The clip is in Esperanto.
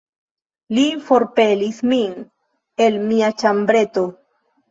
Li forpelis min el mia ĉambreto...